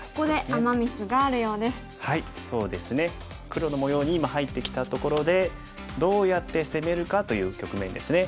黒の模様に今入ってきたところでどうやって攻めるかという局面ですね。